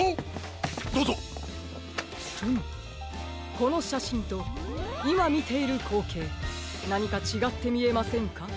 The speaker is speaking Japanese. このしゃしんといまみているこうけいなにかちがってみえませんか？